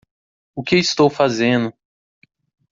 O que estou fazendo?